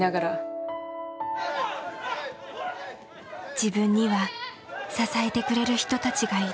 自分には支えてくれる人たちがいる。